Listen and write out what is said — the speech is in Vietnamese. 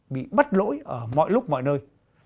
bị bắt lỗi ở mọi lúc mọi nơi